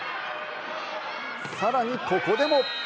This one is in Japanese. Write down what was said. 更に、ここでも。